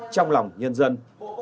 trong lòng nhân dân